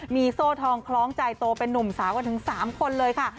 มีโซ่ทองคล้องใจโตเป็นนุ่มสาวกันถึง๓คนเลยค่ะ